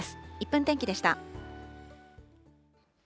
１分天気でした。